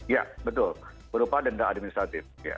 ya betul berupa denda administratif